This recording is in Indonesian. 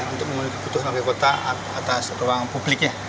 untuk memiliki kebutuhan warga kota atas ruang publiknya